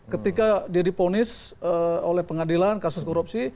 ketika dia diponis oleh pengadilan kasus korupsi